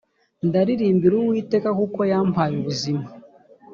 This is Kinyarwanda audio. ndaririmbira uwiteka kuko yampaye ubuzima